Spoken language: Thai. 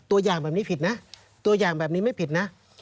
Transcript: ตัวอย่างแบบนี้ผิดนะตัวอย่างแบบนี้ไม่ผิดนะ